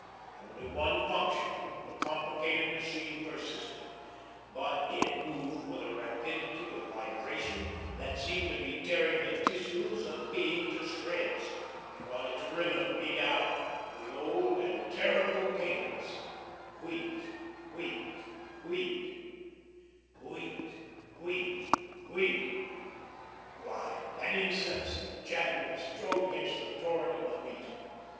Only one function of the complicated machine persisted; but it moved with a rapidity of vibration that seemed to be tearing the tissues of being to shreds, while its rhythm beat out the old and terrible cadence: "Wheat wheat wheat, wheat wheat wheat." Blind and insensate, Jadwin strove against the torrent of the Wheat.